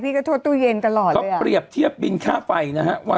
พี่ก็โทษตู้เย็นตลอดเลยอ่ะเขาเปรียบเทียบบินค่าไฟนะฮะ